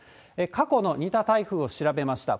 過去の似た台風を調べました。